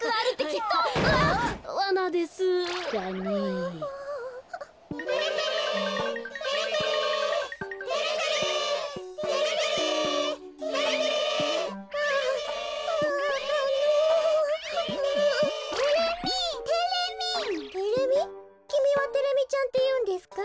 きみはテレミちゃんっていうんですか？